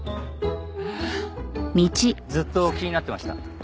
ずっと気になってました。